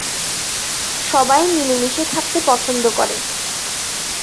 সবাই মিলেমিশে থাকতে পছন্দ করে।